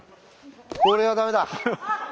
これはダメだ。